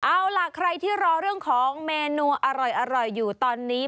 เอาล่ะใครที่รอเรื่องของเมนูอร่อยอยู่ตอนนี้